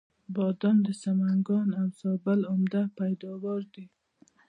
بادام د سمنګان او زابل عمده پیداوار دی.